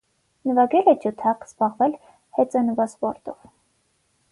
Նվագել է ջութակ, զբաղվել հեծանվասպորտով։